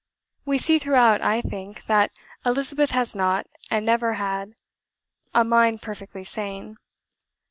We see throughout (I THINK) that Elizabeth has not, and never had, a mind perfectly sane.